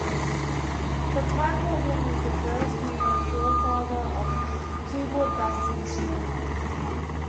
The pipe organ is the first, and the forefather of keyboard bass instruments.